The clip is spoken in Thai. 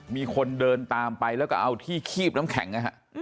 มีคนเดินตามไปแล้วก็เอาที่คีบน้ำแข็งนะฮะ